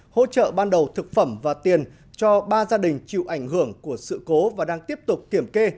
hỗ trợ ban đầu thực phẩm và tiền cho ba gia đình chịu ảnh hưởng của sự cố và đang tiếp tục kiểm kê